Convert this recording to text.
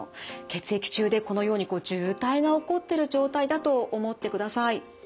血液中でこのように渋滞が起こってる状態だと思ってください。